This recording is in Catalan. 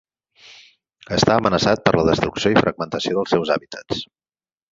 Està amenaçat per la destrucció i fragmentació dels seus hàbitats.